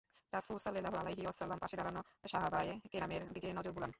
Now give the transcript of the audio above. রাসূল সাল্লাল্লাহু আলাইহি ওয়াসাল্লাম পাশে দাঁড়ানো সাহাবায়ে কেরামের দিকে নজর বুলান।